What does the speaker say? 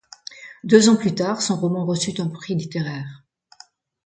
Deux ans plus tard, son roman reçut un prix littéraire.